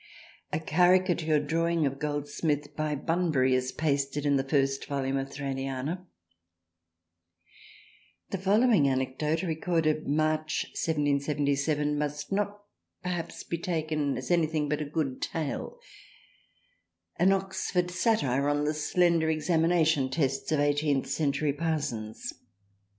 A Caricature drawing of Goldsmith by Bunbury is pasted in the first Volume of Thraliana. The following anecdote recorded in March 1777 must perhaps not be taken as anything but a good 8 THRALIANA tale : an Oxford satire on the slender examination tests of Eighteenth Century parsons.